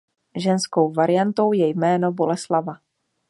Ženskou variantou je jméno Boleslava.